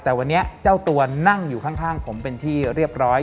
แต่วันนี้เจ้าตัวนั่งอยู่ข้างผมเป็นที่เรียบร้อย